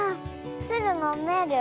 すぐのめる？